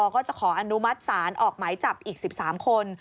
ก็จะขออนุมัติศาลออกหมายจับอีก๑๓คน